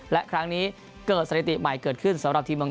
และครั้งนี้เกิดสถิติใหม่เกิดขึ้นสำหรับทีมเมือง